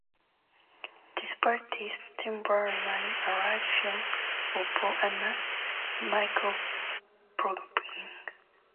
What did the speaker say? Despite this, Tumblr remains a large hub for pro-ana microblogging.